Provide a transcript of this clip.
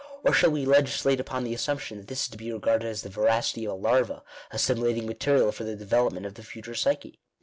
Or shall we legislate upon the assumption that this is to be re garded as the voracity of a larva assimilating material for the development of the future psyche